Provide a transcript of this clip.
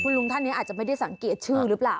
ลุงท่านนี้อาจจะไม่ได้สังเกตชื่อหรือเปล่า